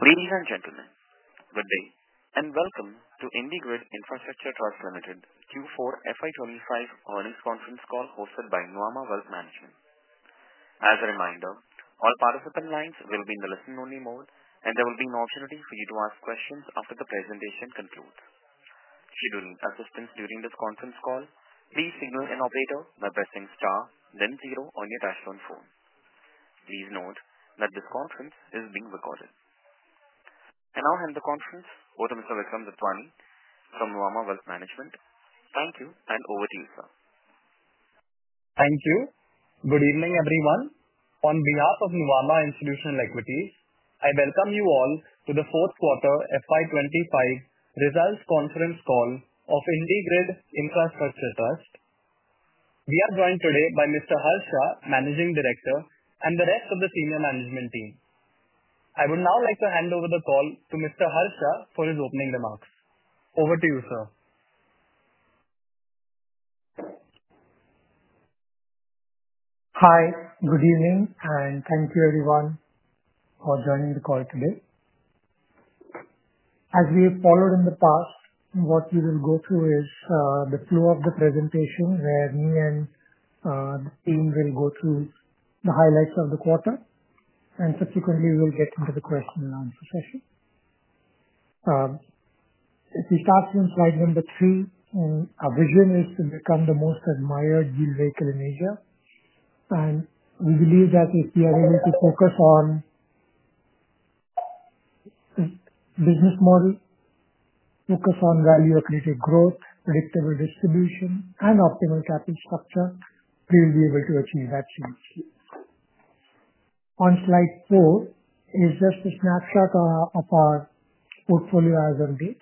Ladies and gentlemen, good day and welcome to IndiGrid Infrastructure Trust Q4 FY25 earnings conference call hosted by Nuvama Wealth Management. As a reminder, all participant lines will be in the listen-only mode, and there will be an opportunity for you to ask questions after the presentation concludes. Should you need assistance during this conference call, Please an operator by pressing star then zero on your. Please note that this conference is being recorded. I will hand over the conference to Mr. Vikram Datwani from Nuvama Wealth Management. Thankyou and over to you Sir. Thank you. Good evening, everyone. On behalf of Nuvama Wealth Management, I welcome you all to the fourth quarter FY25 results conference call of IndiGrid Infrastructure Trust. We are joined today by Mr. Harsh Shah, Managing Director, and the rest of the senior management team. I would now like to hand over the call to Mr. Harsh Shah for his opening remarks. Over to you, sir. Hi, good evening, and thank you, everyone, for joining the call today. As we have followed in the past, what we will go through is the flow of the presentation where me and the team will go through the highlights of the quarter, and subsequently, we will get into the question-and-answer session. If we start from slide number three, our vision is to become the most admired deal vehicle in Asia, and we believe that if we are able to focus on business model, focus on value-accretive growth, predictable distribution, and optimal capital structure, we will be able to achieve that. On slide four is just a snapshot of our portfolio as of date.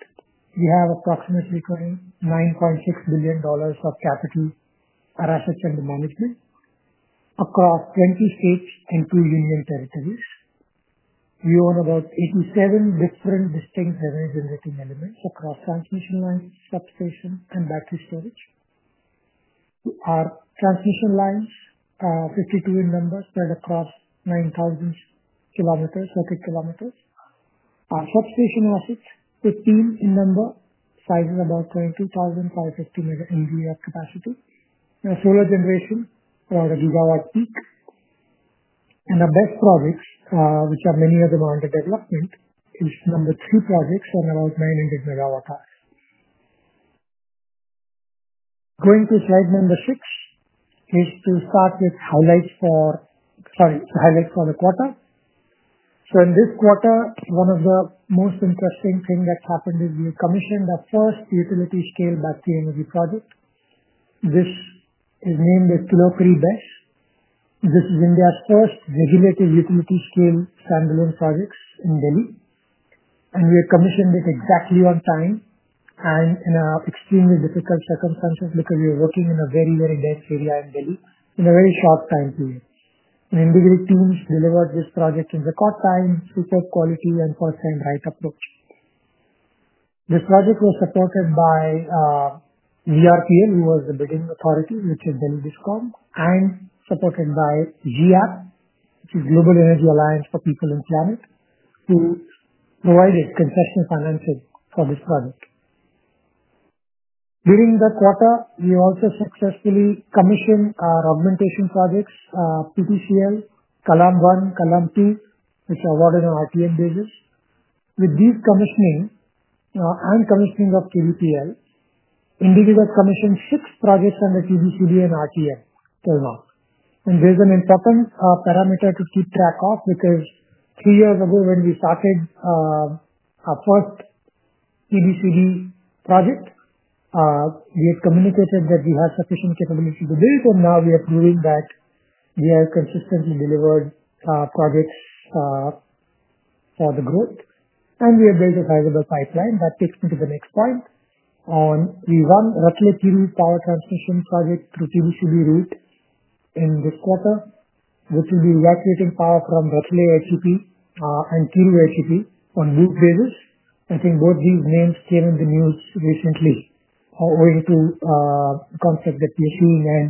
We have approximately $9.6 billion of capital or assets under management across 20 states and two union territories. We own about 87 different distinct revenue-generating elements across transmission lines, substations, and battery storage. Our transmission lines, 52 in number, spread across 9,000 km, circuit kilometers. Our substation assets, 15 in number, size is about 22,550 megawatts capacity. Solar generation, around a gigawatt peak. And our BESS projects, which are many of them under development, is number three projects on about 900 megawatt hours. Going to slide number six is to start with highlights for—sorry, highlights for the quarter. In this quarter, one of the most interesting things that happened is we commissioned our first utility-scale battery energy project. This is named Kilokri BESS. This is India's first regulated utility-scale standalone projects in Delhi, and we commissioned it exactly on time and in an extremely difficult circumstance because we were working in a very, very dense area in Delhi in a very short time period. The IndiGrid teams delivered this project in record time, super quality, and first-time-right approach. This project was supported by VRPL, who was the bidding authority, which is Delhi Discom, and supported by GEAPP, which is Global Energy Alliance for People and Planet, who provided concessional financing for this project. During the quarter, we also successfully commissioned our augmentation projects, PTCL, Column One, Column Two, which are awarded on RTM basis. With these commissioning and commissioning of KDPL, IndiGrid has commissioned six projects under PBCD and RTM so far. There is an important parameter to keep track of because three years ago when we started our first PBCD project, we had communicated that we had sufficient capability to build, and now we are proving that we have consistently delivered projects for the growth, and we have built a sizable pipeline. That takes me to the next point. We won Ratle-Thiru power transmission project through PBCD route in this quarter, which will be evacuating power from Ratle-HEP and Thiru-HEP on route basis. I think both these names came in the news recently owing to the concept that we're seeing in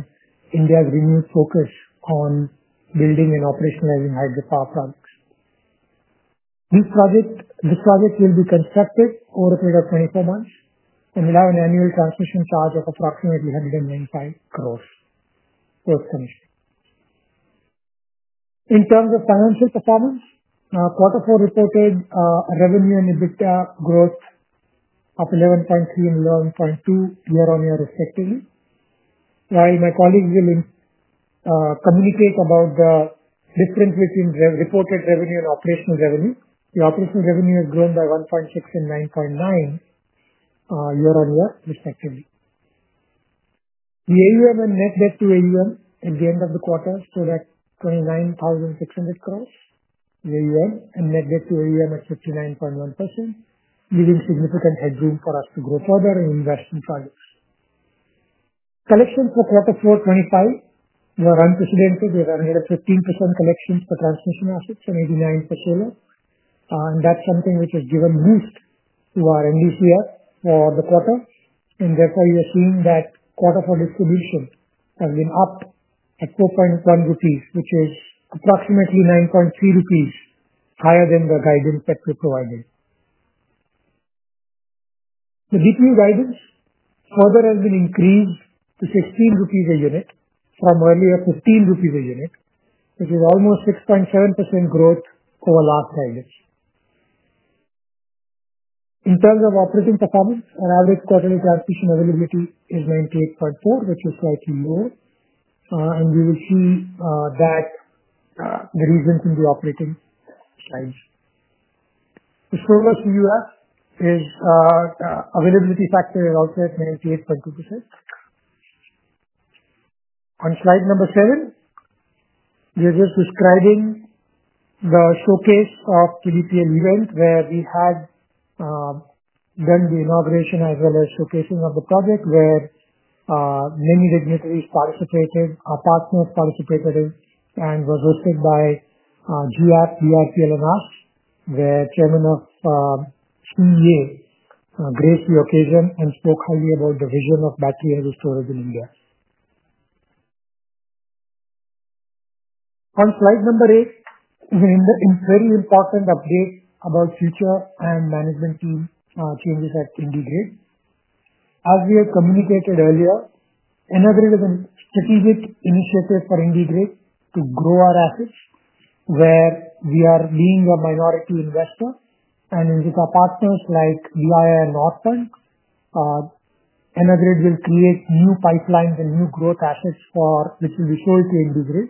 India's renewed focus on building and operationalizing hydropower projects. This project will be constructed over a period of 24 months and will have an annual transmission charge of approximately 195 crore post-commissioning. In terms of financial performance, quarter four reported revenue and EBITDA growth of 11.3% and 11.2% year-on-year respectively. While my colleagues will communicate about the difference between reported revenue and operational revenue, the operational revenue has grown by 1.6% and 9.9% year-on-year respectively. The AUM and net debt to AUM at the end of the quarter stood at 29,600 crores, the AUM and net debt to AUM at 59.1%, leaving significant headroom for us to grow further and invest in projects. Collections for quarter four 2025 were unprecedented. We had 115% collections for transmission assets and 89% for solar, and that's something which has given boost to our NDCF for the quarter, and therefore you are seeing that quarter four distribution has been up at 4.1 rupees, which is approximately 0.93 rupees higher than the guidance that we provided. The DPU guidance further has been increased to 16 rupees a unit from earlier 15 rupees a unit, which is almost 6.7% growth over last guidance. In terms of operating performance, our average quarterly transmission availability is 98.4, which is slightly lower, and we will see that the reasons in the operating slides. The solar CUF availability factor is also at 98.2%. On slide number seven, we are just describing the showcase of PDPL event where we had done the inauguration as well as showcasing of the project where many dignitaries participated, our partners participated in, and was hosted by GEAPP, VRPL, and us, where Chairman of CEA Grace took the occasion and spoke highly about the vision of battery energy storage in India. On slide number eight, a very important update about future and management team changes at IndiGrid. As we had communicated earlier, EnerGrid is a strategic initiative for IndiGrid to grow our assets where we are being a minority investor, and with our partners like BII and Northbank, EnerGrid will create new pipelines and new growth assets which will be sold to IndiGrid.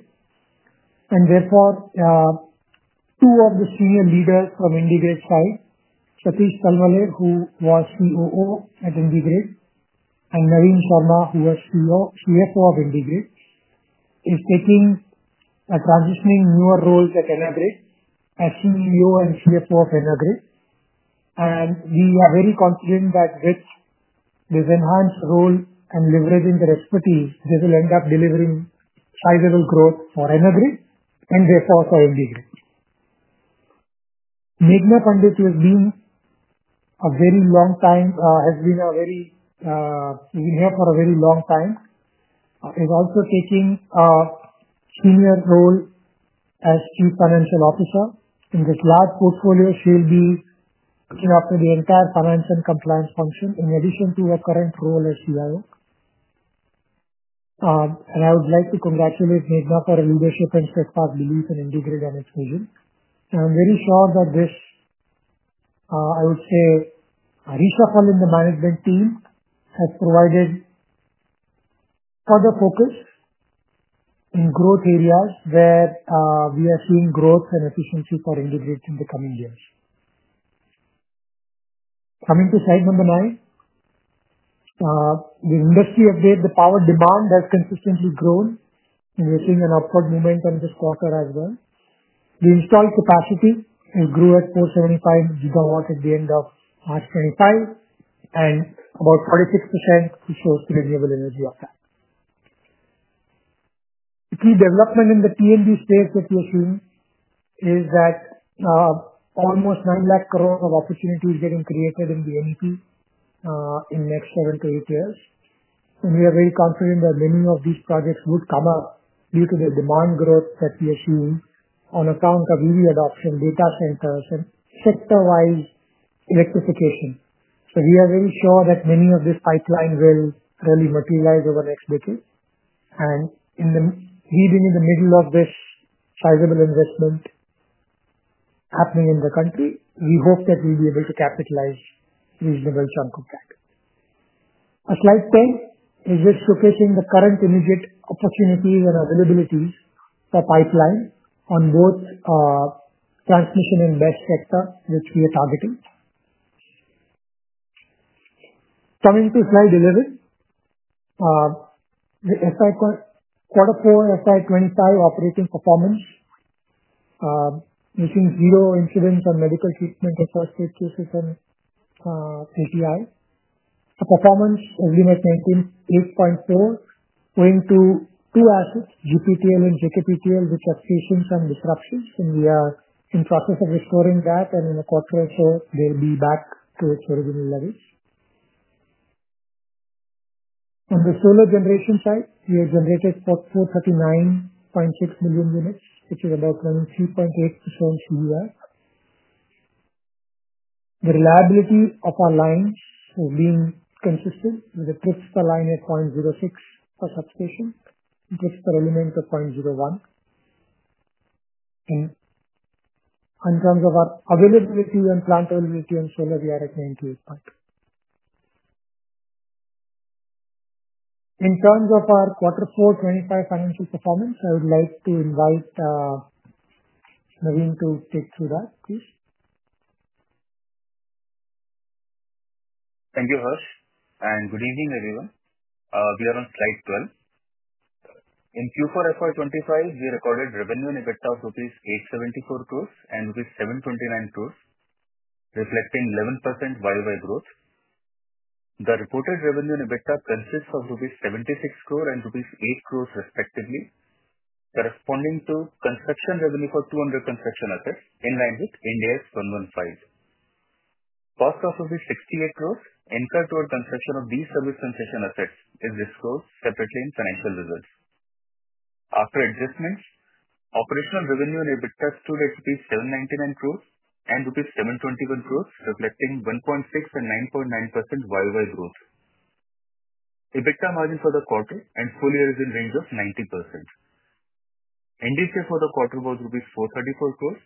Therefore, two of the senior leaders from IndiGrid's side, Satish Talmale, who was COO at IndiGrid, and Navin Sharma, who was CFO of IndiGrid, are taking transitioning newer roles at EnerGrid as CEO and CFO of EnerGrid, and we are very confident that with this enhanced role and leveraging their expertise, they will end up delivering sizable growth for EnerGrid and therefore for IndiGrid. Meghana Pandit has been here for a very long time, is also taking a senior role as Chief Financial Officer. In this large portfolio, she will be looking after the entire finance and compliance function in addition to her current role as CIO. I would like to congratulate Meghana for her leadership and steadfast belief in IndiGrid and its vision. I'm very sure that this, I would say, a reshuffle in the management team has provided further focus in growth areas where we are seeing growth and efficiency for IndiGrid in the coming years. Coming to slide number nine, the industry update, the power demand has consistently grown, and we're seeing an upward movement in this quarter as well. The installed capacity has grown at 475 gigawatts at the end of March 2025, and about 46% shows renewable energy up there. The key development in the TNB space that we are seeing is that almost 9 lakh crores of opportunities are getting created in the NEP in the next seven to eight years, and we are very confident that many of these projects would come up due to the demand growth that we are seeing on account of EV adoption, data centers, and sector-wide electrification. We are very sure that many of these pipelines will really materialize over the next decade, and in the reading in the middle of this sizable investment happening in the country, we hope that we'll be able to capitalize a reasonable chunk of that. On slide 10, it's just showcasing the current immediate opportunities and availabilities for pipeline on both transmission and BESS sector, which we are targeting. Coming to slide 11, the quarter four FY25 operating performance, we've seen zero incidents on medical treatment and first aid cases and ATI. The performance has been at 19.4, going to two assets, GPTL and JKPTL, which have failures and disruptions, and we are in the process of restoring that, and in a quarter or so, they'll be back to its original levels. On the solar generation side, we have generated 439.6 million units, which is about 23.8% CUF. The reliability of our lines has been consistent with a drift per line at 0.06 per substation, drift per element at 0.01, and in terms of our availability and plant availability on solar, we are at. In terms of our quarter four 2025 financial performance, I would like to invite Navin to take through that, please. Thank you, Harsh, and good evening, everyone. We are on slide 12. In Q4 FY25, we recorded revenue and EBITDA of rupees 874 crores and rupees 729 crores, reflecting 11% YoY growth. The reported revenue and EBITDA consists of rupees 76 crores and rupees 8 crores respectively, corresponding to construction revenue for 200 construction assets in line with India's 115. Cost of 68 crores incurred toward construction of these service transmission assets is disclosed separately in financial results. After adjustments, operational revenue and EBITDA stood at INR 799 crores and INR 721 crores, reflecting 1.6% and 9.9% YoY growth. EBITDA margin for the quarter and full year is in the range of 90%. NDCF for the quarter was rupees 434 crores,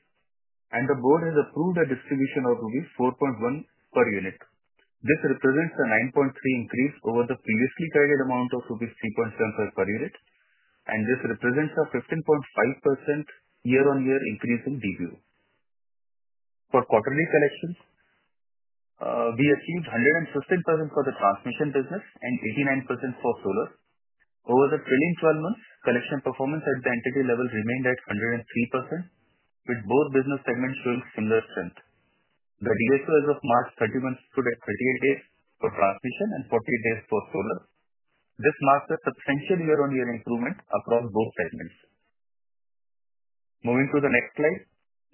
and the board has approved a distribution of rupees 4.1 per unit. This represents a 9.3% increase over the previously carried amount of rupees 3.75 per unit, and this represents a 15.5% year-on-year increase in DPU. For quarterly collections, we achieved 115% for the transmission business and 89% for solar. Over the trailing 12 months, collection performance at the entity level remained at 103%, with both business segments showing similar strength. The DSO as of March 31 stood at 38 days for transmission and 48 days for solar. This marks a substantial year-on-year improvement across both segments. Moving to the next slide,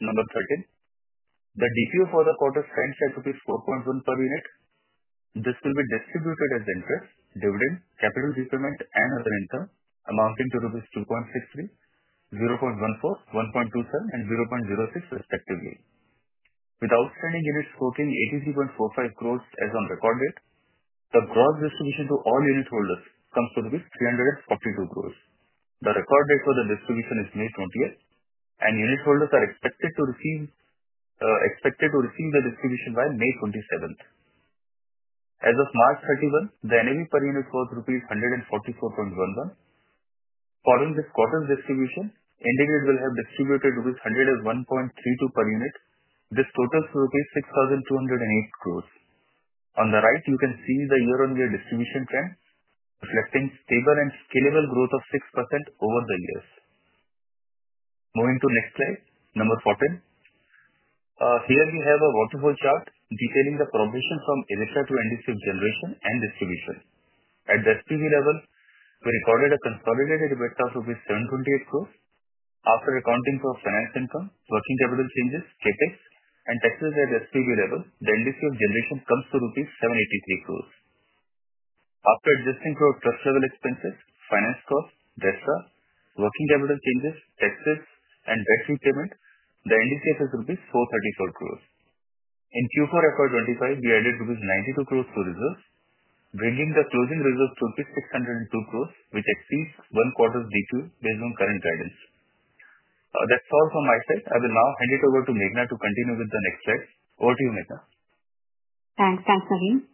number 13, the DPU for the quarter stands at 4.1 per unit. This will be distributed as interest, dividend, capital repayment, and other income amounting to rupees 2.63, 0.14, 1.27, and 0.06 respectively. With outstanding units totaling 83.45 crore as on record date, the gross distribution to all unit holders comes to 342 crore. The record date for the distribution is May 20, and unit holders are expected to receive the distribution by May 27. As of March 31, the NAV per unit was rupees 144.11. Following this quarter's distribution, IndiGrid will have distributed rupees 101.32 per unit. This totals to rupees 6,208 crore. On the right, you can see the year-on-year distribution trend, reflecting stable and scalable growth of 6% over the years. Moving to the next slide, number 14, here we have a waterfall chart detailing the progression from EBITDA to NDCF generation and distribution. At the SPV level, we recorded a consolidated EBITDA of rupees 728 crore. After accounting for finance income, working capital changes, CapEx, and taxes at SPV level, the NDCF generation comes to rupees 783 crore. After adjusting for trust-level expenses, finance costs, DESRA, working capital changes, taxes, and debt repayment, the NDCF is rupees 434 crore. In Q4 FY25, we added rupees 92 crore to reserves, bringing the closing reserves to rupees 602 crore, which exceeds one quarter's DPU based on current guidance. That's all from my side. I will now hand it over to Meghana to continue with the next slide. Over to you, Meghana. Thanks, thanks, Navin.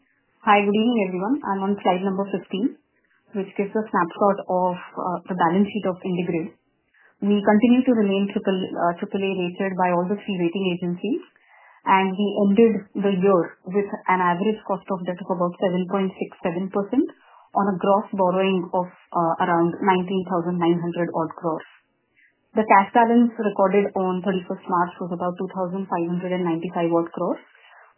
Hi, good evening, everyone. I'm on slide number 15, which gives a snapshot of the balance sheet of IndiGrid. We continue to remain AAA rated by all the three rating agencies, and we ended the year with an average cost of debt of about 7.67% on a gross borrowing of around 19,900 crore. The cash balance recorded on 31st March was about 2,595 crore,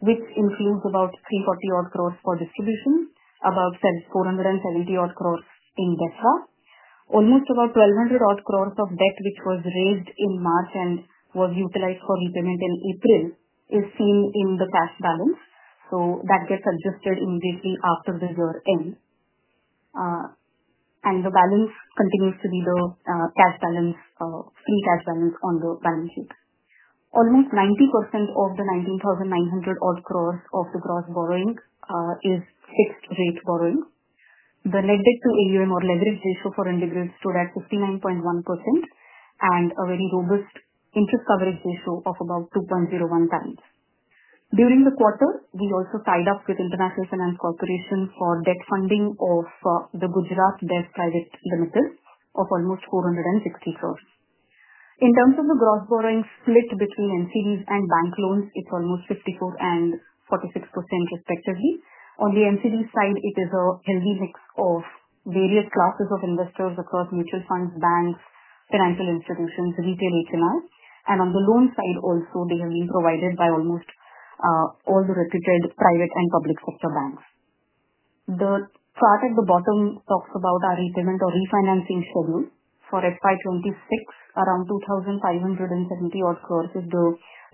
which includes about 340 crore for distribution, about 470 crore in DESRA. Almost about 1,200 crore of debt, which was raised in March and was utilized for repayment in April, is seen in the cash balance, so that gets adjusted immediately after the year end. The balance continues to be the cash balance, free cash balance on the balance sheet. Almost 90% of the 19,900 crore of the gross borrowing is fixed-rate borrowing. The net debt to AUM or leverage ratio for IndiGrid stood at 59.1% and a very robust interest coverage ratio of about 2.01 times. During the quarter, we also tied up with International Finance Corporation for debt funding of the Gujarat Dev Private Limited of almost 460 crore. In terms of the gross borrowing split between NCDs and bank loans, it's almost 54% and 46% respectively. On the NCD side, it is a healthy mix of various classes of investors across mutual funds, banks, financial institutions, retail HNI, and on the loan side also, they have been provided by almost all the reputed private and public sector banks. The chart at the bottom talks about our repayment or refinancing schedule. For FY26, around 2,570 crore is the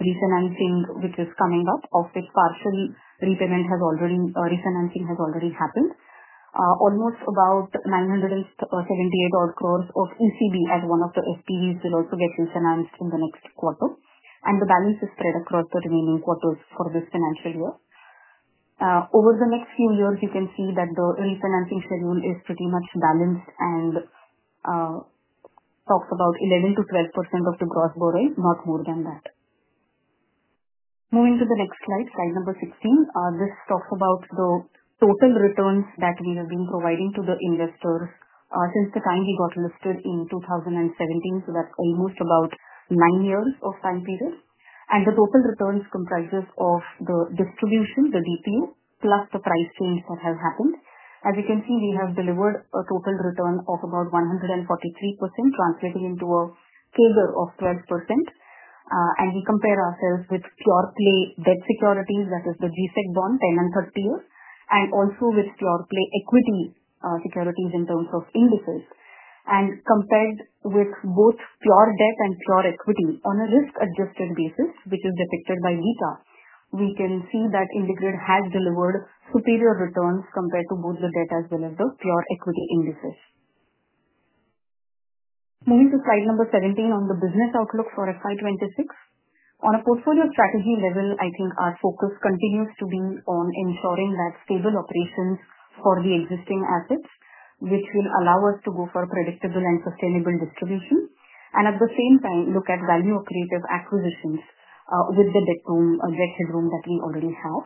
refinancing which is coming up, of which partial repayment has already, refinancing has already happened. Almost about 978 crore of ECB, as one of the SPVs, will also get refinanced in the next quarter, and the balance is spread across the remaining quarters for this financial year. Over the next few years, you can see that the refinancing schedule is pretty much balanced and talks about 11%-12% of the gross borrowing, not more than that. Moving to the next slide, slide number 16, this talks about the total returns that we have been providing to the investors since the time we got listed in 2017, so that's almost about nine years of time period. The total returns comprise of the distribution, the DPU, plus the price change that has happened. As you can see, we have delivered a total return of about 143%, translating into a CAGR of 12%, and we compare ourselves with Pure Play debt securities, that is the G-Sec bond, 10 and 30 years, and also with Pure Play equity securities in terms of indices. Compared with both Pure Debt and Pure Equity on a risk-adjusted basis, which is depicted by Vita, we can see that IndiGrid has delivered superior returns compared to both the debt as well as the Pure Equity indices. Moving to slide number 17 on the business outlook for FY26, on a portfolio strategy level, I think our focus continues to be on ensuring that stable operations for the existing assets, which will allow us to go for predictable and sustainable distribution, and at the same time, look at value-operated acquisitions with the debt headroom that we already have.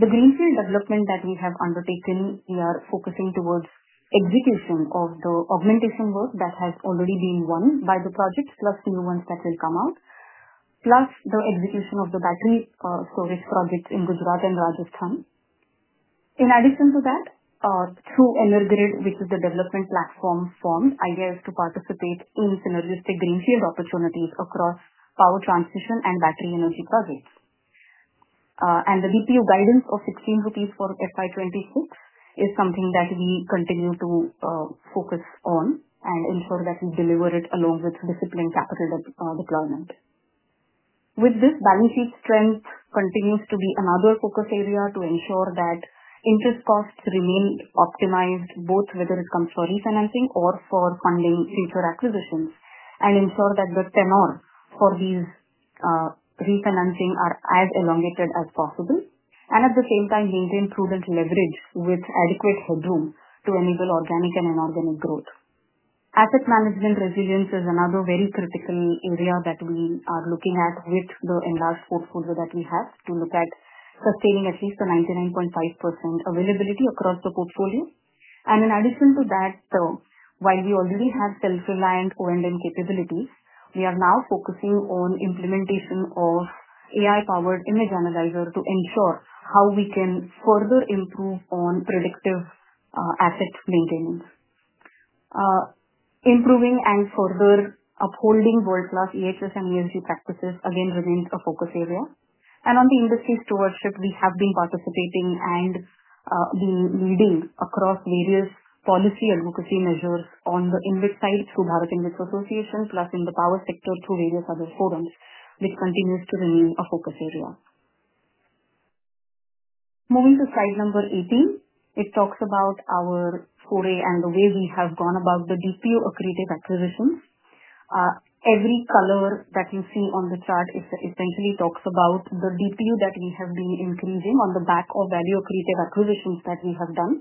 The greenfield development that we have undertaken, we are focusing towards execution of the augmentation work that has already been won by the project, plus the new ones that will come out, plus the execution of the battery storage projects in Gujarat and Rajasthan. In addition to that, through EnerGrid, which is the development platform formed, idea is to participate in synergistic greenfield opportunities across power transmission and battery energy projects. The DPU guidance of 16 rupees for FY 2026 is something that we continue to focus on and ensure that we deliver it along with disciplined capital deployment. With this, balance sheet strength continues to be another focus area to ensure that interest costs remain optimized, both whether it comes for refinancing or for funding future acquisitions, and ensure that the tenor for these refinancing is as elongated as possible, and at the same time, maintain prudent leverage with adequate headroom to enable organic and inorganic growth. Asset management resilience is another very critical area that we are looking at with the enlarged portfolio that we have to look at sustaining at least the 99.5% availability across the portfolio. In addition to that, while we already have self-reliant O&M capabilities, we are now focusing on implementation of AI-powered image analyzer to ensure how we can further improve on predictive asset maintenance. Improving and further upholding world-class EHS and ESG practices, again, remains a focus area. On the industry stewardship, we have been participating and been leading across various policy advocacy measures on the InvIT side through Bharat InvIT Association, plus in the power sector through various other forums, which continues to remain a focus area. Moving to slide number 18, it talks about our foray and the way we have gone about the DPU accretive acquisitions. Every color that you see on the chart essentially talks about the DPU that we have been increasing on the back of value-accretive acquisitions that we have done.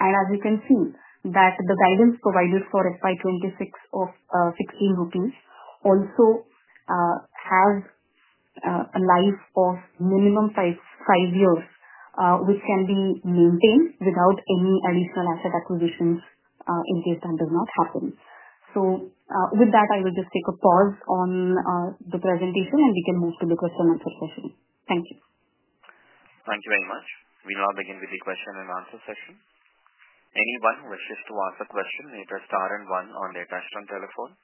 As you can see, the guidance provided for FY 2026 of 16 rupees also has a life of minimum five years, which can be maintained without any additional asset acquisitions in case that does not happen. With that, I will just take a pause on the presentation, and we can move to the question-and-answer session. Thank you. Thank you very much. We now begin with the question-and-answer session. Anyone who wishes to ask a question may press star and one on their touch-on telephone.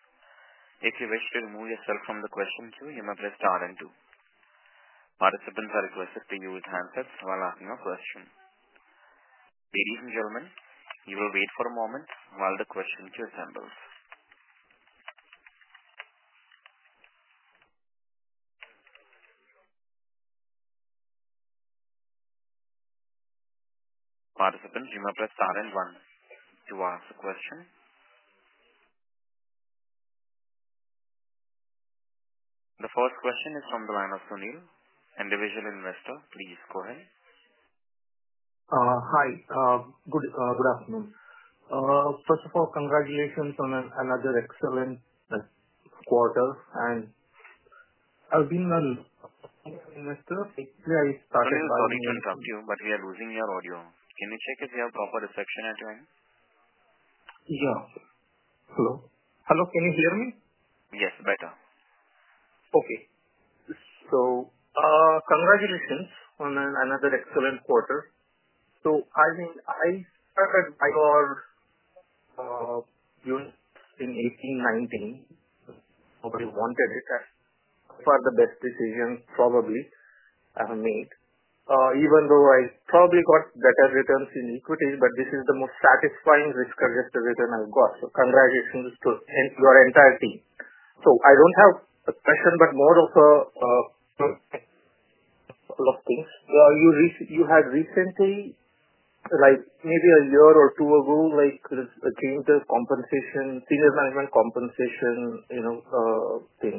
If you wish to remove yourself from the question queue, you may press star and two. Participants are requested to use handsets while asking a question. Ladies and gentlemen, you will wait for a moment while the question queue assembles. Participants, you may press star and one to ask a question. The first question is from the line of Sunil. Individual investor, please go ahead. Hi, good afternoon. First of all, congratulations on another excellent quarter. I've been an investor. Basically, I started by. We are recording your interview, but we are losing your audio. Can you check if you have proper reception at the end? Yeah. Hello. Can you hear me? Yes, better. Okay. Congratulations on another excellent quarter. I started my or in 2018-2019. Nobody wanted it. That is probably the best decision I have made. Even though I probably got better returns in equity, this is the most satisfying risk-adjusted return I have got. Congratulations to your entire team. I do not have a question, but more of a couple of things. You had recently, maybe a year or two ago, a change of compensation, senior management compensation thing.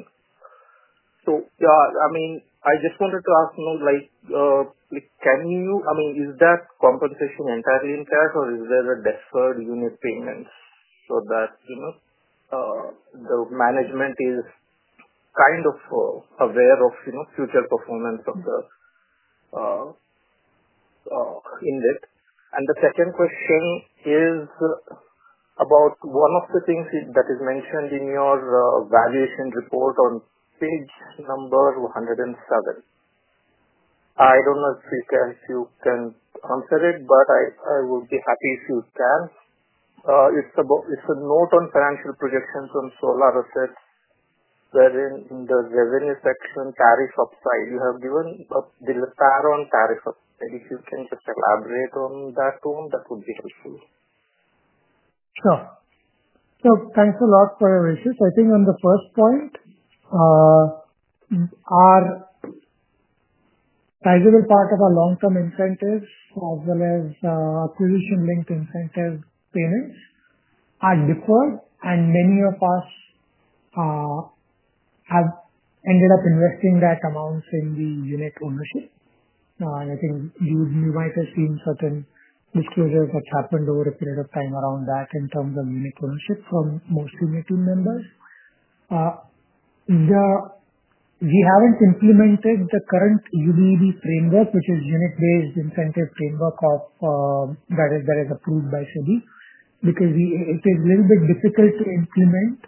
I just wanted to ask, is that compensation entirely in cash, or is there a deferred unit payment so that the management is kind of aware of future performance of the index? The second question is about one of the things that is mentioned in your valuation report on page number 107. I don't know if you can answer it, but I would be happy if you can. It's a note on financial projections on solar assets wherein the revenue section tariff upside. You have given the parent tariff upside. If you can just elaborate on that one, that would be helpful. Sure. Thanks a lot for your research. I think on the first point, a sizable part of our long-term incentives as well as acquisition-linked incentive payments are deferred, and many of us have ended up investing that amount in the unit ownership. I think you might have seen certain disclosures that happened over a period of time around that in terms of unit ownership from most senior team members. We have not implemented the current UBEB framework, which is unit-based incentive framework that is approved by SEBI, because it is a little bit difficult to implement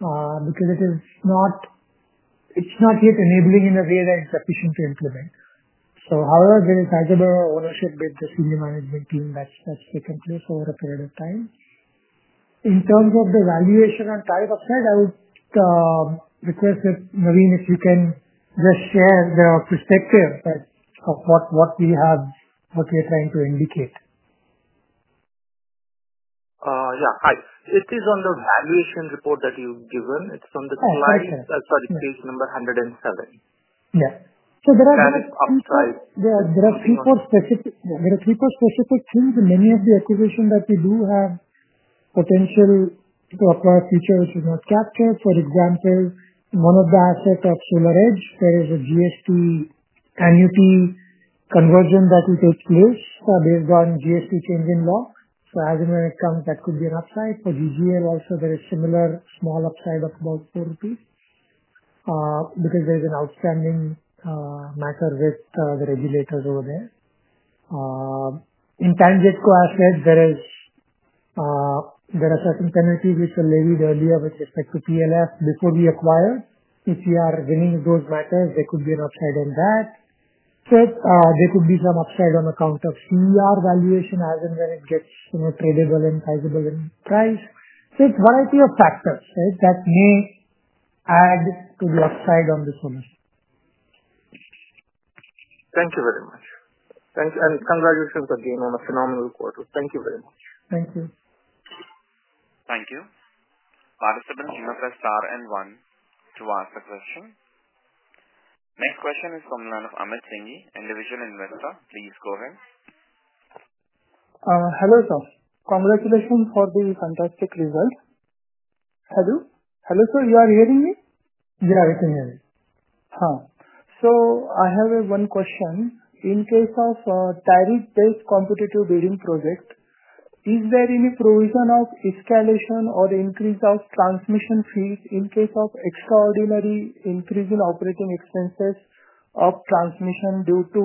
because it is not yet enabling in a way that it is sufficient to implement. However, there is sizable ownership with the senior management team that has taken place over a period of time. In terms of the valuation and tariff upside, I would request that, Navin, if you can just share the perspective of what we are trying to indicate. Yeah. Hi. It is on the valuation report that you've given. It's on the slide. Oh, sorry. Sorry, page number 107. Yeah. There are three. Tariff upside. There are three more specific things in many of the acquisitions that we do have potential for future which is not captured. For example, one of the assets of SolarEdge, there is a GST annuity conversion that will take place based on GST change in law. As and when it comes, that could be an upside. For GGL also, there is similar small upside of about 4 rupees because there is an outstanding matter with the regulators over there. In TANGEDCO Assets, there are certain penalties which were levied earlier with respect to PLF before we acquired. If we are winning those matters, there could be an upside on that. There could be some upside on account of CER valuation as and when it gets tradable and sizable in price. It's a variety of factors, right, that may add to the upside on the solution. Thank you very much. Congratulations again on a phenomenal quarter. Thank you very much. Thank you. Thank you. Participants, you may press star and one to ask a question. Next question is from the line of Amit Singhi, Individual Investor. Please go ahead. Hello sir. Congratulations for the fantastic result. Hello? Hello sir? You are hearing me? Yeah, I can hear you. Huh. So I have one question. In case of tariff-based competitive bidding project, is there any provision of escalation or increase of transmission fees in case of extraordinary increase in operating expenses of transmission due to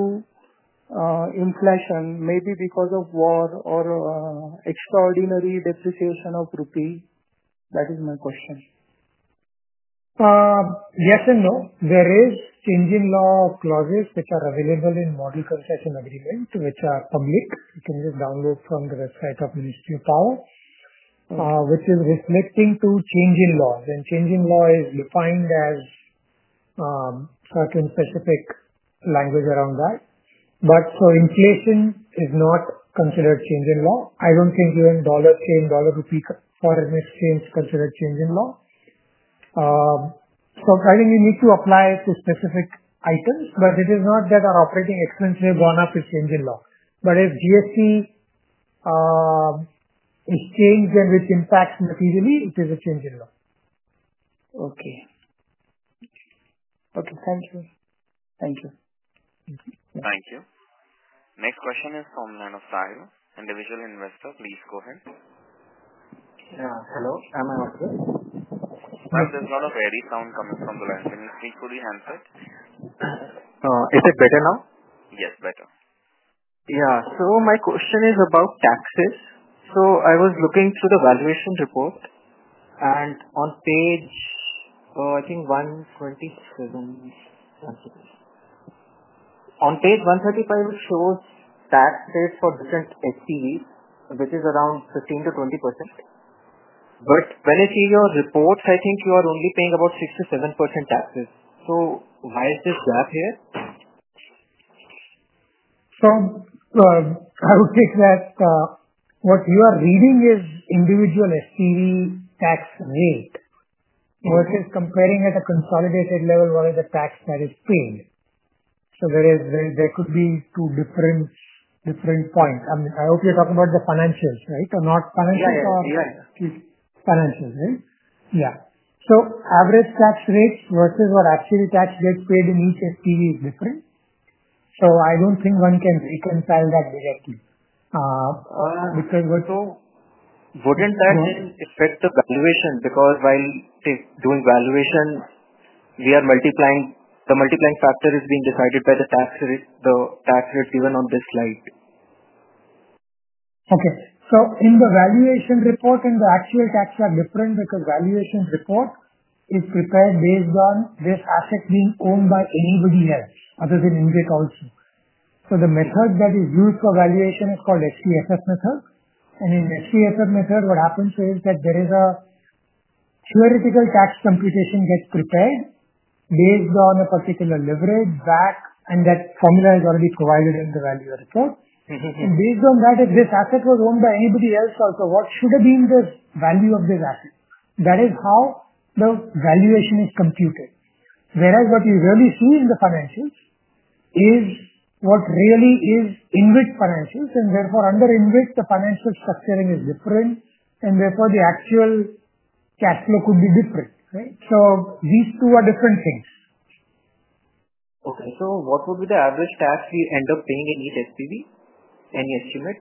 inflation, maybe because of war or extraordinary depreciation of rupee? That is my question. Yes and no. There is changing law clauses which are available in model concession agreement, which are public. You can just download from the website of Ministry of Power, which is reflecting to change in law. Change in law is defined as certain specific language around that. Inflation is not considered change in law. I do not think even dollar change, dollar rupee foreign exchange considered change in law. I think you need to apply to specific items, but it is not that our operating expenses have gone up with change in law. If GST is changed and which impacts materially, it is a change in law. Okay. Thank you. Thank you. Thank you. Next question is from the line of Sahil, Individual Investor. Please go ahead. Hello. Am I audible? Yes, there's not a very sound coming from the line. Can you speak to the handset? Is it better now? Yes, better. Yeah. So my question is about taxes. I was looking through the valuation report, and on page, I think 127, on page 135, it shows tax rates for different SPVs, which is around 15%-20%. When I see your reports, I think you are only paying about 6%-7% taxes. Why is this GEAPP here? I would take that what you are reading is individual SPV tax rate versus comparing at a consolidated level what is the tax that is paid. There could be two different points. I mean, I hope you're talking about the financials, right, or not financials or? Yeah, yeah. Financials, right? Yeah. So average tax rates versus what actually tax gets paid in each SPV is different. I do not think one can reconcile that directly because. Wouldn't that then affect the valuation? Because while doing valuation, the multiplying factor is being decided by the tax rate given on this slide. Okay. So in the valuation report and the actual tax are different because valuation report is prepared based on this asset being owned by anybody else other than IndiGrid also. The method that is used for valuation is called STSF method. In STSF method, what happens is that there is a theoretical tax computation gets prepared based on a particular leverage back. That formula is already provided in the value report. Based on that, if this asset was owned by anybody else also, what should have been the value of this asset? That is how the valuation is computed. Whereas what you really see in the financials is what really is in with financials, and therefore under InvIT the financial structuring is different, and therefore the actual cash flow could be different, right? These two are different things. Okay. So what would be the average tax we end up paying in each SPV? Any estimate?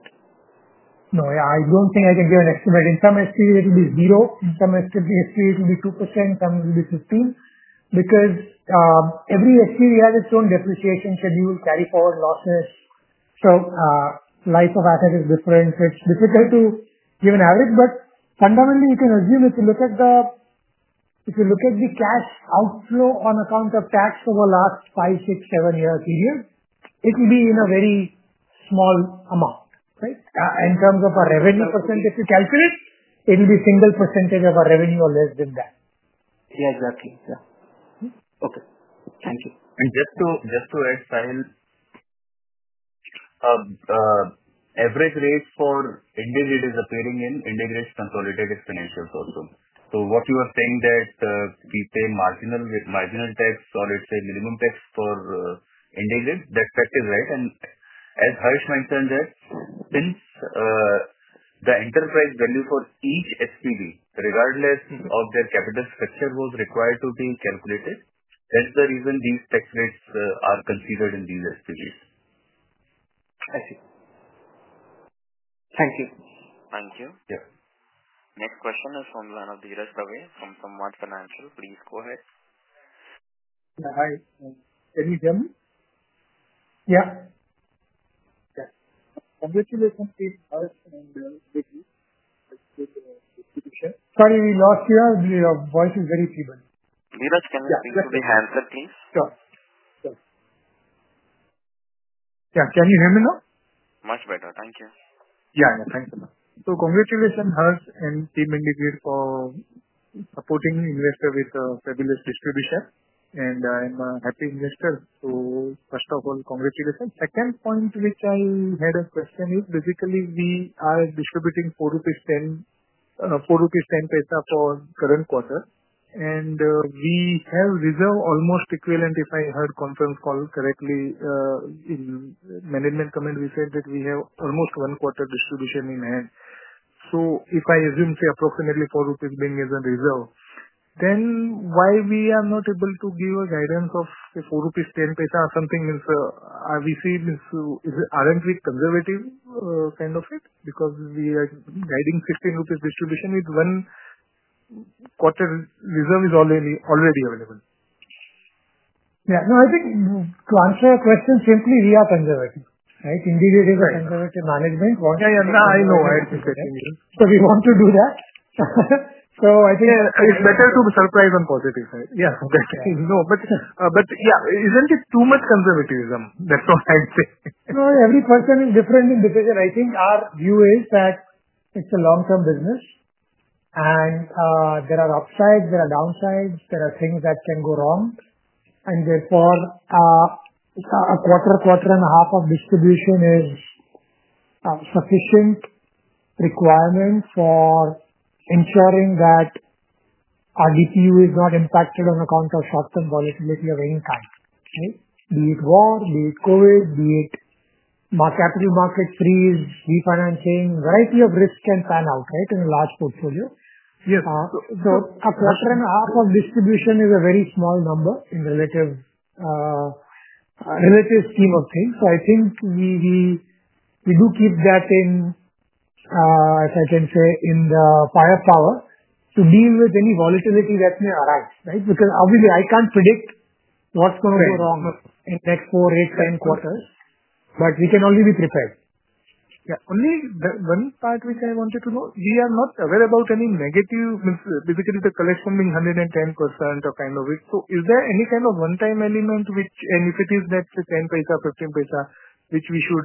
No, I don't think I can give an estimate. In some SPV, it will be zero. In some SPV, it will be 2%. Some will be 15% because every SPV has its own depreciation schedule, carry forward losses. So life of asset is different. It's difficult to give an average, but fundamentally, you can assume if you look at the cash outflow on account of tax over the last five, six, seven year period, it will be in a very small amount, right? In terms of our revenue percentage, if you calculate, it will be single percentage of our revenue or less than that. Yeah, exactly. Yeah. Okay. Thank you. Just to add, Sahil, average rate for Index is appearing in Index Rate Consolidated Exponentials also. What you are saying that we pay marginal tax or let's say minimum tax for Index, that fact is right. As Harsh mentioned, since the enterprise value for each SPV, regardless of their capital structure, was required to be calculated, that's the reason these tax rates are considered in these SPVs. I see. Thank you. Thank you. Next question is from the line of Deeresh Dave from Sanmat Financial. Please go ahead. Hi. Can you hear me? Yeah. Yeah. Congratulations to Harsh and IndiGrid. Sorry, we lost you. Your voice is very feeble. Deeresh, can you speak to the handset, please? Sure. Sure. Yeah. Can you hear me now? Much better. Thank you. Yeah. Yeah. Thanks a lot. Congratulations, Harsh and team IndiGrid, for supporting investors with fabulous distribution. I'm a happy investor. First of all, congratulations. Second point which I had a question is, basically, we are distributing 4.10 rupees for current quarter. We have reserve almost equivalent, if I heard the call correctly, in management comment, we said that we have almost one quarter distribution in hand. If I assume, say, approximately 4 rupees being as a reserve, then why are we not able to give a guidance of 4.10 rupees or something? Aren't we conservative kind of it? Because we are guiding 15 rupees distribution with one quarter reserve is already available. Yeah. No, I think to answer your question, simply, we are conservative, right? IndiGrid is conservative management. Yeah. Yeah. No, I know. I understand you. We want to do that. I think. Yeah. It's better to be surprised on the positive side. Yeah. No, but yeah, isn't it too much conservatism? That's what I'd say. No, every person is different in decision. I think our view is that it's a long-term business, and there are upsides, there are downsides, there are things that can go wrong. Therefore, a quarter, quarter and a half of distribution is a sufficient requirement for ensuring that our DPU is not impacted on account of short-term volatility of any kind, right? Be it war, be it COVID, be it capital market freeze, refinancing, variety of risk can pan out, right, in a large portfolio. A quarter and a half of distribution is a very small number in relative scheme of things. I think we do keep that in, if I can say, in the firepower to deal with any volatility that may arise, right? Because obviously, I can't predict what's going to go wrong in the next four, eight, ten quarters, but we can only be prepared. Yeah. Only one part which I wanted to know, we are not aware about any negative, basically, the collection being 110% or kind of it. Is there any kind of one-time element which, and if it is, that's a 10, 15 which we should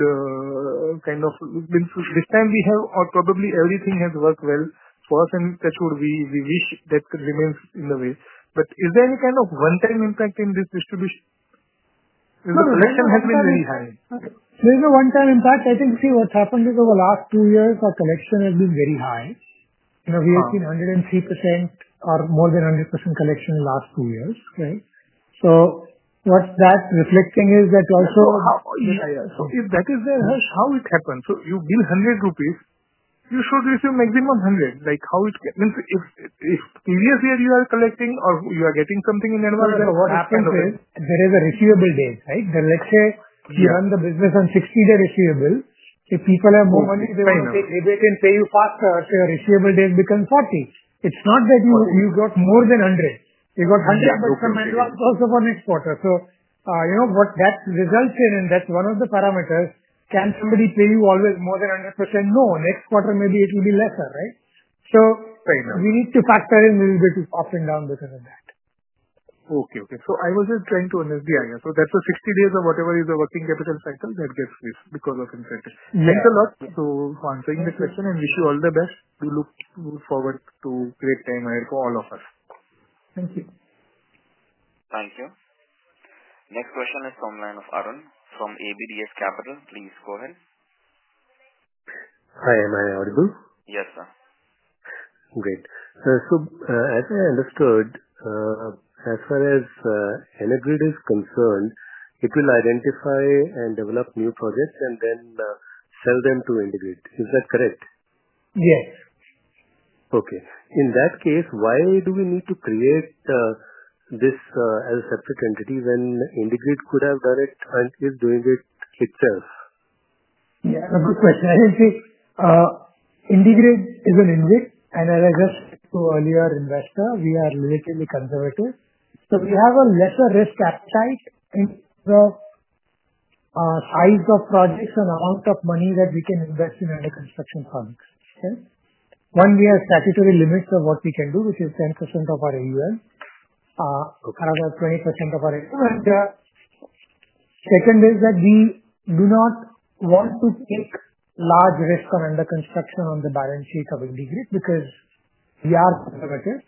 kind of this time we have, or probably everything has worked well for us, and that's what we wish that remains in the way. Is there any kind of one-time impact in this distribution? The collection has been very high. There is a one-time impact. I think, see, what's happened is over the last two years, our collection has been very high. We have seen 103% or more than 100% collection in the last two years, right? What that's reflecting is that also. If that is there, Harsh, how it happens? You bill 100 rupees, you should receive maximum 100. How it means if previous year you are collecting or you are getting something in the end of the year, what happens? There is a receivable date, right? Let's say you run the business on a 60-day receivable. If people have more money, they will pay you faster, so your receivable date becomes 40. It's not that you got more than 100. You got 100, but you can manage also for next quarter. What that results in, and that's one of the parameters, can somebody pay you always more than 100%? No. Next quarter, maybe it will be lesser, right? We need to factor in a little bit up and down because of that. Okay. Okay. I was just trying to understand the idea. That's a 60 days or whatever is the working capital cycle that gets freeze because of incentive. Thanks a lot for answering the question, and wish you all the best. We look forward to great time ahead for all of us. Thank you. Thank you. Next question is from the line of Arun from ABDS Capital. Please go ahead. Hi. Am I audible? Yes, sir. Great. So as I understood, as far as EnerGrid is concerned, it will identify and develop new projects and then sell them to IndiGrid. Is that correct? Yes. Okay. In that case, why do we need to create this as a separate entity when IndiGrid could have done it and is doing it itself? Yeah. That's a good question. I think IndiGrid is an InvIT, and as I just told earlier, Investor, we are relatively conservative. We have a lesser risk appetite in terms of size of projects and amount of money that we can invest in under construction projects, right? One, we have statutory limits of what we can do, which is 10% of our AUM, another 20% of our AUM. Second is that we do not want to take large risk on under construction on the balance sheet of IndiGrid because we are conservative.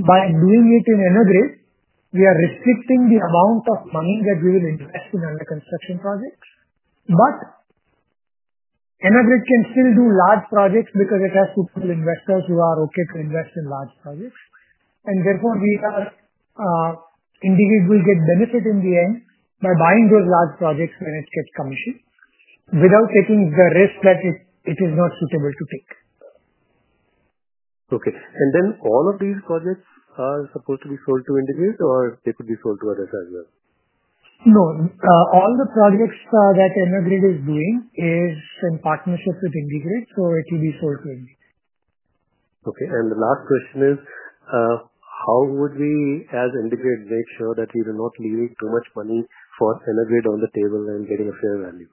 By doing it in EnerGrid, we are restricting the amount of money that we will invest in under construction projects. EnerGrid can still do large projects because it has suitable investors who are okay to invest in large projects. Therefore, we at IndiGrid will get benefit in the end by buying those large projects when it gets commissioned without taking the risk that it is not suitable to take. Okay. And then all of these projects are supposed to be sold to IndiGrid, or they could be sold to others as well? No. All the projects that EnerGrid is doing is in partnership with IndiGrid, so it will be sold to IndiGrid. Okay. The last question is, how would we, as IndiGrid, make sure that we do not leave too much money for EnerGrid on the table and getting a fair value?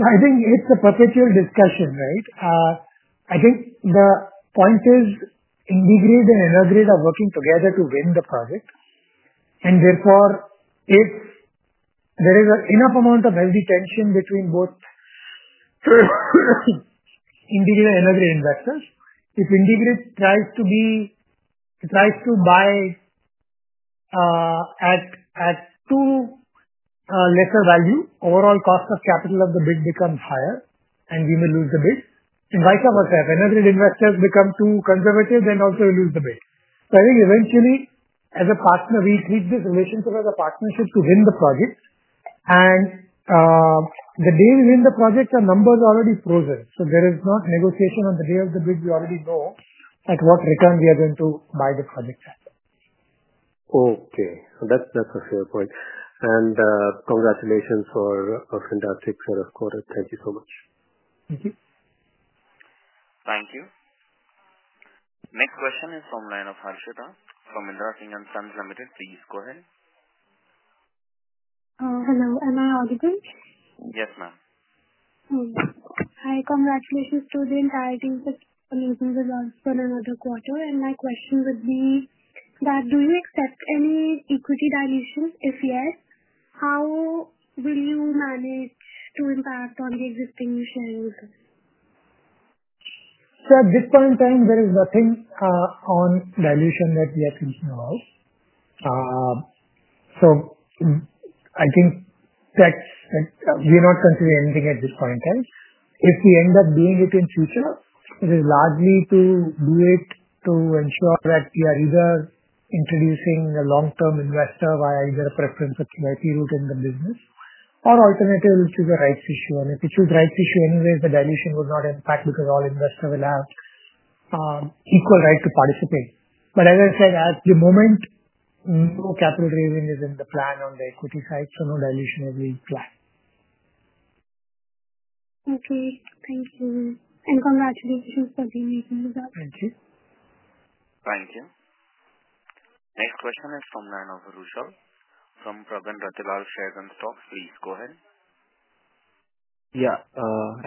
I think it's a perpetual discussion, right? I think the point is IndiGrid and EnerGrid are working together to win the project. Therefore, if there is enough amount of healthy tension between both IndiGrid and EnerGrid investors, if IndiGrid tries to buy at too lesser value, overall cost of capital of the bid becomes higher, and we may lose the bid. Vice versa, if EnerGrid investors become too conservative, then also we lose the bid. I think eventually, as a partner, we treat this relationship as a partnership to win the project. The day we win the project, our numbers are already frozen. There is not negotiation on the day of the bid. We already know at what return we are going to buy the project at. Okay. That's a fair point. Congratulations for a fantastic set of quarters. Thank you so much. Thank you. Thank you. Next question is from the line of Harshada from Indra Singh and Sons Limited. Please go ahead. Hello. Am I audible? Yes, ma'am. Hi. Congratulations to the entire team for making the last one another quarter. My question would be that do you accept any equity dilution? If yes, how will you manage to impact on the existing shares? At this point in time, there is nothing on dilution that we are thinking about. I think we are not considering anything at this point in time. If we end up doing it in future, it is largely to do it to ensure that we are either introducing a long-term investor via either a preference or charity route in the business or alternative to the rights issue. If it is with rights issue anyway, the dilution would not impact because all investors will have equal right to participate. As I said, at the moment, no capital raising is in the plan on the equity side, so no dilution is in plan. Okay. Thank you. And congratulations for making this up. Thank you. Thank you. Next question is from the line of Rushal from Pravin Ratilal Share and Stock, please go ahead. Yeah.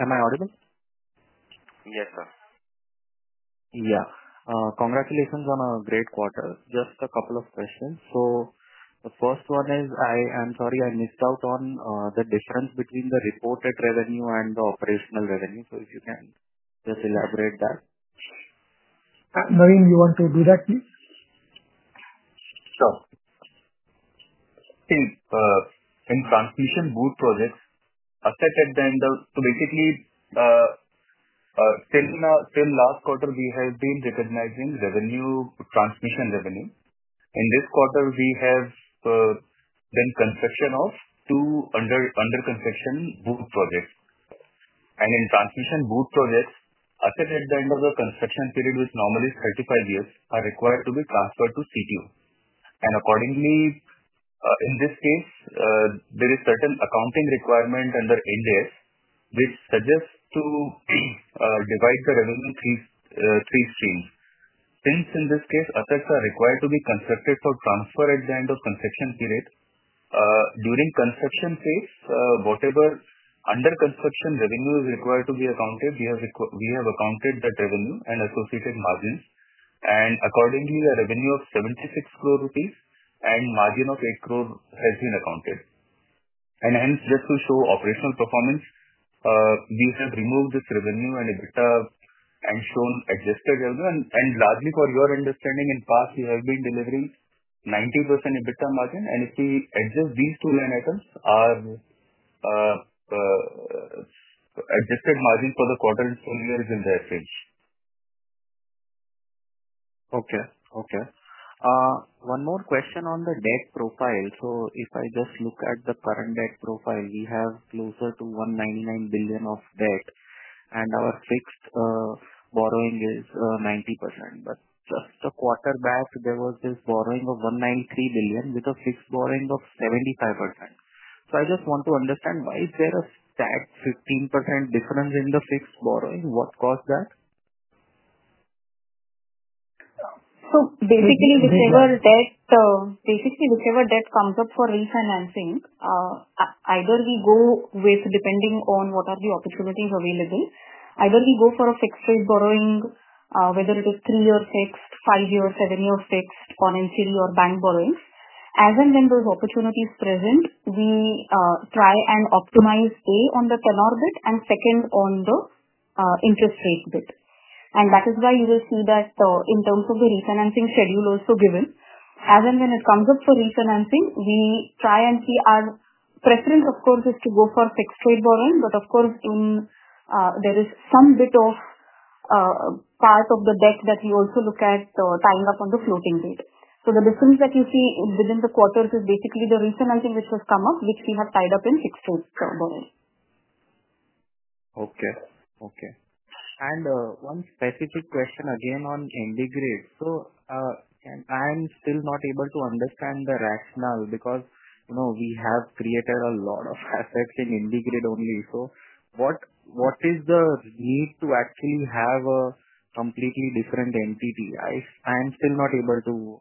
Am I audible? Yes, sir. Yeah. Congratulations on a great quarter. Just a couple of questions. The first one is, I am sorry, I missed out on the difference between the reported revenue and the operational revenue. If you can just elaborate that. Navin, you want to do that, please? Sure. See, in transmission booth projects, as I said at the end of, so basically, till last quarter, we have been recognizing revenue, transmission revenue. In this quarter, we have been construction of two under construction booth projects. In transmission booth projects, as I said at the end of the construction period, which normally is 35 years, are required to be transferred to CTO. Accordingly, in this case, there is certain accounting requirement under NDS, which suggests to divide the revenue into three streams. Since in this case, assets are required to be constructed for transfer at the end of construction period, during construction phase, whatever under construction revenue is required to be accounted, we have accounted that revenue and associated margins. Accordingly, a revenue of 76 crore rupees and margin of 1 crore has been accounted. Hence, just to show operational performance, we have removed this revenue and EBITDA and shown adjusted revenue. Largely for your understanding, in the past, we have been delivering 90% EBITDA margin. If we adjust these two line items, our adjusted margin for the quarter and full year is in the high eighties. Okay. Okay. One more question on the debt profile. If I just look at the current debt profile, we have closer to 199 billion of debt, and our fixed borrowing is 90%. Just a quarter back, there was this borrowing of 193 billion with a fixed borrowing of 75%. I just want to understand, why is there a stark 15% difference in the fixed borrowing? What caused that? Basically, whichever debt comes up for refinancing, either we go with, depending on what are the opportunities available, either we go for a fixed-rate borrowing, whether it is three-year fixed, five-year, seven-year fixed, on NCD or bank borrowings. As and when those opportunities present, we try and optimize A, on the tenor bid, and second, on the interest rate bid. That is why you will see that in terms of the refinancing schedule also given. As and when it comes up for refinancing, we try and see our preference, of course, is to go for fixed-rate borrowing. Of course, there is some bit of part of the debt that we also look at tying up on the floating bid. The difference that you see within the quarters is basically the refinancing which has come up, which we have tied up in fixed-rate borrowing. Okay. Okay. One specific question again on EnerGrid. I'm still not able to understand the rationale because we have created a lot of assets in EnerGrid only. What is the need to actually have a completely different entity? I'm still not able to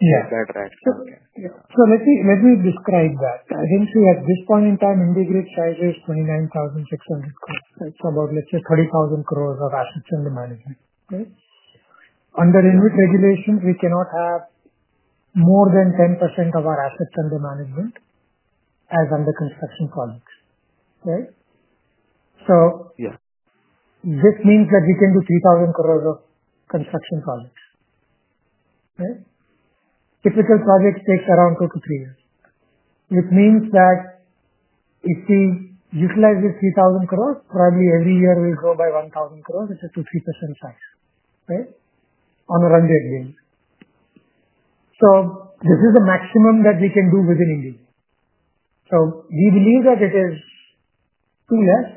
get that rationale. Yeah. So let me describe that. I think at this point in time, IndiGrid size is 29,600 crore. It's about, let's say, 30,000 crore of assets under management, right? Under InvIT regulations, we cannot have more than 10% of our assets under management as under construction projects, right? This means that we can do 3,000 crore of construction projects, right? Typical project takes around two to three years, which means that if we utilize this 3,000 crore, probably every year we'll grow by 1,000 crore, which is 2-3% size, right, on a runway base. This is the maximum that we can do within IndiGrid. We believe that it is too less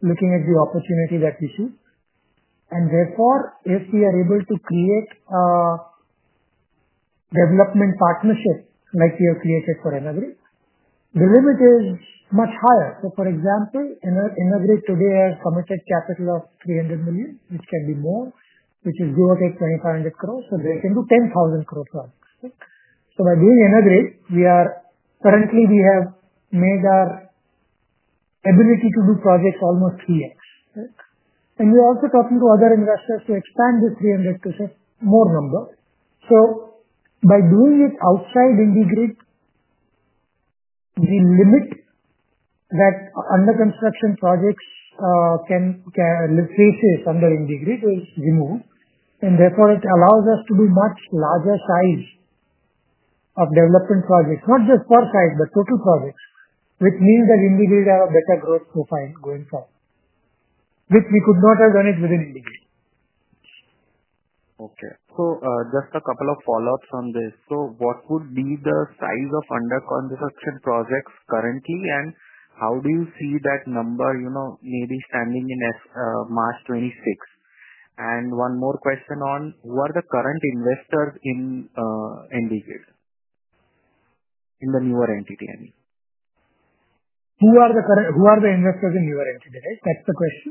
looking at the opportunity that we see. Therefore, if we are able to create a development partnership like we have created for EnerGrid, the limit is much higher. For example, EnerGrid today has committed capital of $300 million, which can be more, which is, give or take, 2,500 crore. They can do 10,000 crore projects, right? By doing EnerGrid, currently, we have made our ability to do projects almost 3x, right? We're also talking to other investors to expand this $300 million to a higher number. By doing it outside IndiGrid, the limit that under construction projects can face under IndiGrid is removed. Therefore, it allows us to do much larger size of development projects, not just per site, but total projects, which means that IndiGrid has a better growth profile going forward, which we could not have done within IndiGrid. Okay. Just a couple of follow-ups on this. What would be the size of under construction projects currently, and how do you see that number maybe standing in March 2026? One more question on who are the current investors in EnerGrid? In the newer entity, I mean. Who are the investors in newer entity, right? That's the question?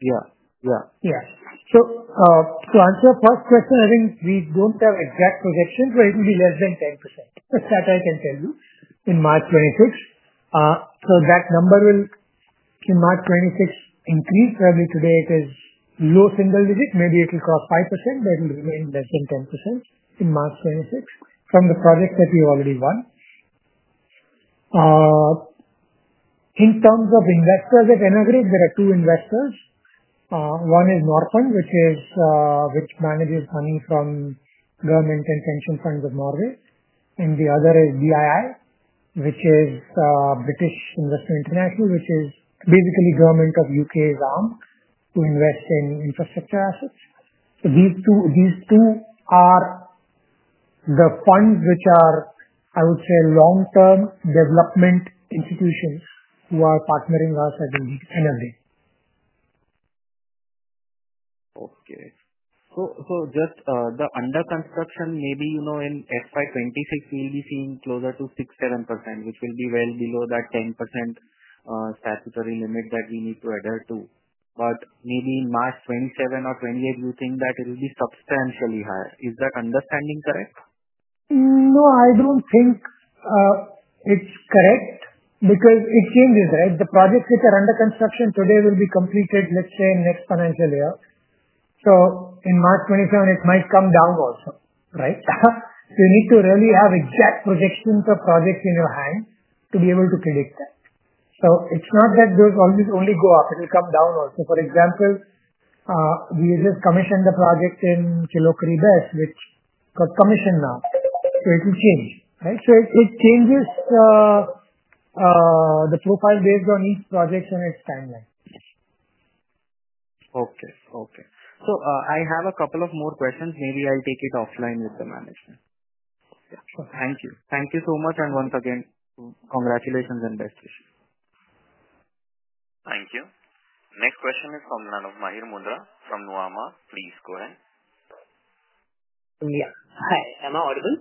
Yeah. Yeah. Yeah. To answer your first question, I think we do not have exact projections, but it will be less than 10%, as far as I can tell you, in March 2026. That number will, in March 2026, increase. Probably today, it is low single digit. Maybe it will cross 5%, but it will remain less than 10% in March 2026 from the projects that we have already won. In terms of investors at EnerGrid, there are two investors. One is Norfund, which manages money from government and pension funds of Norway. The other is BII, which is British International Investment, which is basically government of U.K.'s arm to invest in infrastructure assets. These two are the funds which are, I would say, long-term development institutions who are partnering us at EnerGrid. Okay. So just the under construction, maybe in FY 2026, we'll be seeing closer to 6-7%, which will be well below that 10% statutory limit that we need to adhere to. Maybe in March 2027 or 2028, we think that it will be substantially higher. Is that understanding correct? No, I don't think it's correct because it changes, right? The projects which are under construction today will be completed, let's say, in the next financial year. In March 2027, it might come down also, right? You need to really have exact projections of projects in your hand to be able to predict that. It's not that those always only go up. It will come down also. For example, we just commissioned a project in Kilokri BESS, which got commissioned now. It will change, right? It changes the profile based on each project and its timeline. Okay. Okay. I have a couple of more questions. Maybe I'll take it offline with the management. Sure. Thank you. Thank you so much. Once again, congratulations and best wishes. Thank you. Next question is from the line of Mahir Moondra from Nuvama. Please go ahead. Yeah. Hi. Am I audible?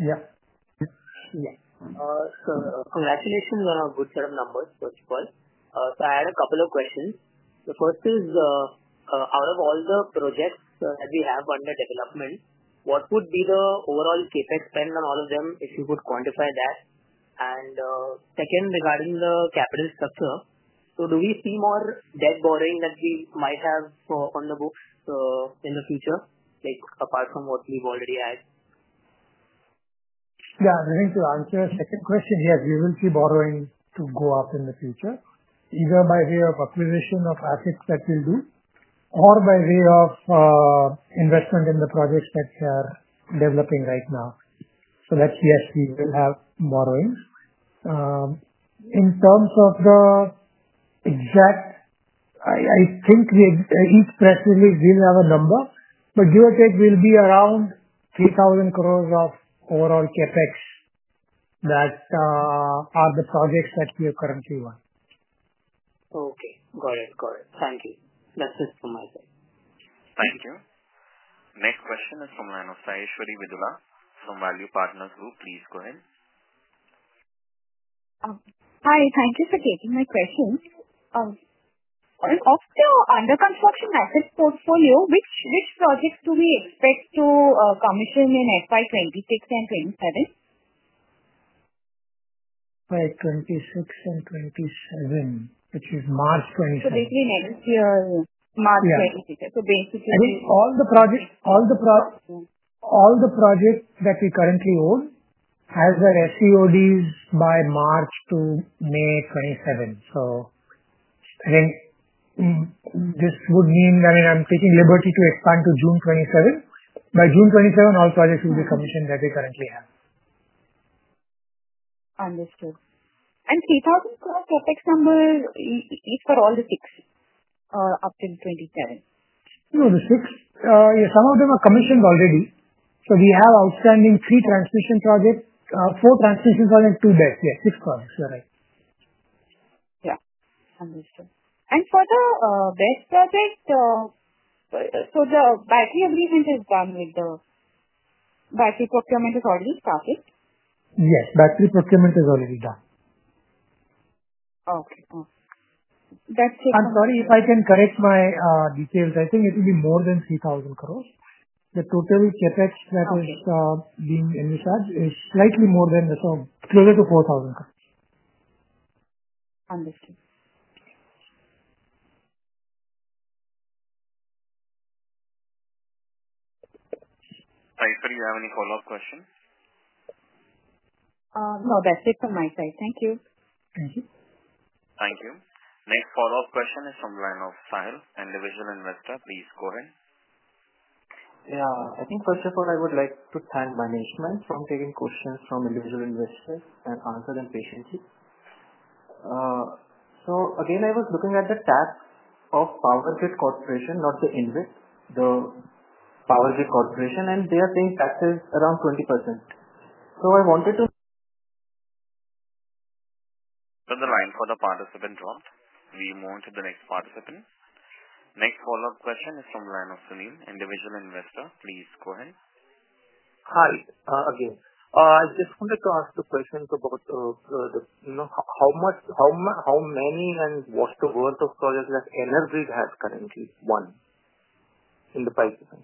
Yeah. Yeah. Congratulations on a good set of numbers, first of all. I had a couple of questions. The first is, out of all the projects that we have under development, what would be the overall CapEx spend on all of them if you could quantify that? Second, regarding the capital structure, do we see more debt borrowing that we might have on the books in the future, apart from what we have already had? Yeah. I think to answer your second question, yes, we will see borrowing go up in the future, either by way of acquisition of assets that we'll do or by way of investment in the projects that we are developing right now. That's yes, we will have borrowings. In terms of the exact, I think each press release will have a number, but give or take, we will be around 3,000 crore of overall CapEx that are the projects that we have currently run. Okay. Got it. Got it. Thank you. That's it from my side. Thank you. Next question is from the line of Saieswari Vedula from Value Partners Group. Please go ahead. Hi. Thank you for taking my question. Of the under construction asset portfolio, which projects do we expect to commission in FY 2026 and 2027? FY 26 and 27, which is March 2027. Basically, next year, March 26. Basically. I mean, all the projects that we currently own have their SCODs by March to May 2027. I think this would mean, I mean, I'm taking liberty to expand to June 2027. By June 2027, all projects will be commissioned that we currently have. Understood. And 3,000 crore CapEx number is for all the six up till 2027? No, the six, yeah, some of them are commissioned already. So we have outstanding three transmission projects, four transmission projects, two BESS. Yeah, six projects. You're right. Yeah. Understood. And for the BESS project, so the battery agreement is done with the battery procurement is already started? Yes. Battery procurement is already done. Okay. Okay. That's it. I'm sorry if I can correct my details. I think it will be more than 3,000 crore. The total capex that is being initialized is slightly more than, closer to 4,000 crore. Understood. Saieswari, do you have any follow-up question? No, that's it from my side. Thank you. Thank you. Thank you. Next follow-up question is from the line of Sahil, individual investor. Please go ahead. Yeah. I think first of all, I would like to thank management for taking questions from individual investors and answer them patiently. Again, I was looking at the tax of Power Grid Corporation, not the InvIT, the Power Grid Corporation, and they are paying taxes around 20%. I wanted to. The line for the participant dropped. We move on to the next participant. Next follow-up question is from the line of Sunil, individual investor. Please go ahead. Hi. Again, I just wanted to ask the questions about how many and what's the worth of projects that EnerGrid has currently won in the pipeline?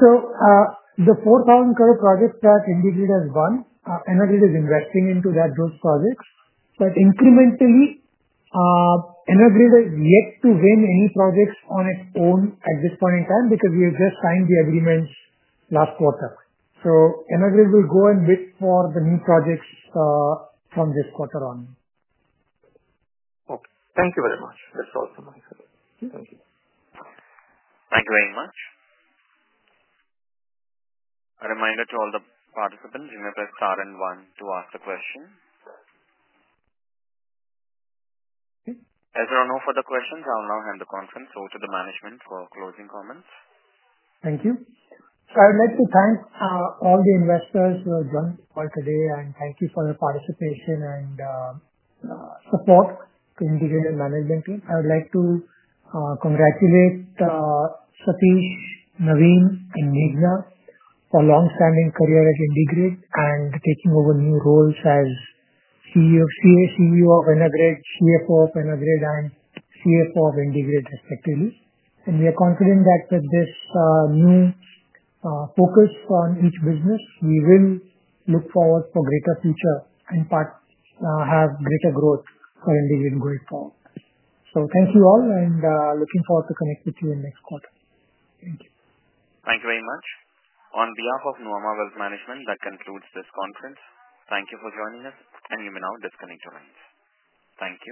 The 4,000 crore projects that EnerGrid has won, EnerGrid is investing into those projects. But incrementally, EnerGrid has yet to win any projects on its own at this point in time because we have just signed the agreements last quarter. EnerGrid will go and bid for the new projects from this quarter on. Okay. Thank you very much. That's all from my side. Thank you. Thank you very much. A reminder to all the participants, remember star and one to ask the question. As there are no further questions, I'll now hand the conference over to the management for closing comments. Thank you. I would like to thank all the investors who have joined us today, and thank you for your participation and support to IndiGrid and management team. I would like to congratulate Satish, Navin, and Meghana for long-standing career at IndiGrid and taking over new roles as CEO of EnerGrid, CFO of EnerGrid, and CFO of IndiGrid, respectively. We are confident that with this new focus on each business, we will look forward to a greater future and have greater growth for IndiGrid going forward. Thank you all, and looking forward to connecting with you in the next quarter. Thank you. Thank you very much. On behalf of Nuvama Wealth Management, that concludes this conference. Thank you for joining us, and you may now disconnect your lines. Thank you.